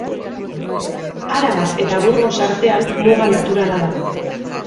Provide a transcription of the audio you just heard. Araba eta Burgos artean, muga naturala da.